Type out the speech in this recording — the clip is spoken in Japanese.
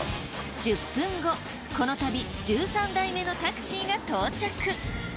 １０分後この旅１３台目のタクシーが到着。